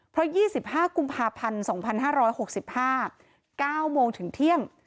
เพราะ๒๕กุมภาพันธ์๒๕๖๕๙โมงถึงเที่ยง